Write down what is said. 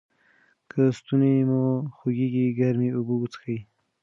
که ستونی مو خوږیږي ګرمې اوبه وڅښئ.